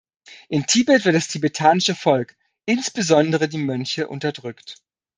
In Tibet wird das tibetanische Volk, insbesondere die Mönche, unterdrückt.